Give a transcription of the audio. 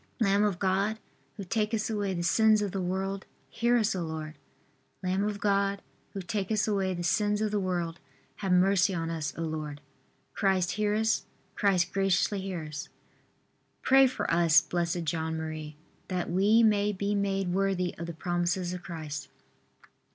Lamb of God, who takest away the sins of the world, Hear us, O Lord. Lamb of God, who takest away the sins of the world, Have mercy on us, O Lord. Christ, hear us. Christ, graciously hear us. V. Pray for us, Blessed John Marie, R. That we may be made worthy of the promises of Christ.